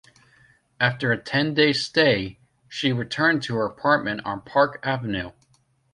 After a ten-day stay, she returned to her apartment on Park Avenue.